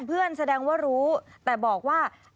เพื่อนแสดงว่ารู้แต่บอกว่า